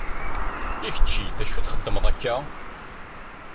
I kečči d acu i txeddmeḍ akka?